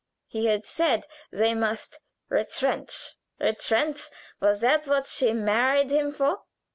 He had said they must retrench. Retrench! was that what she married him for!